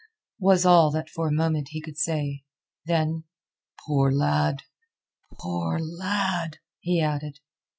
was all that for a moment he could say. Then: "Poor lad! Poor lad!" he added.